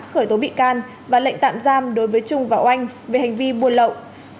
khởi tố bị can và lệnh tạm giam đối với trung và oanh về hành vi buôn lậu